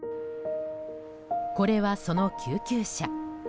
これはその救急車。